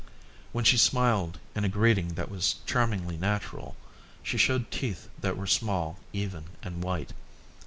When she smiled in a greeting that was charmingly natural, she showed teeth that were small, even, and white.